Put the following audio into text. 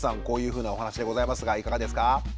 こういうふうなお話でございますがいかがですか？